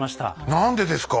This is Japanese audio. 何でですか。